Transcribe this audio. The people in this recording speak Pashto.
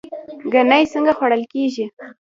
ګنی څنګه خوړل کیږي؟